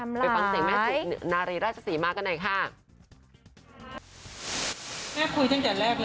ไปฟังเสียงแม่สุนารีราชศรีมากันหน่อยค่ะ